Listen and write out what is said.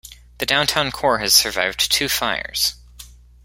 The Downtown Core has survived two fires.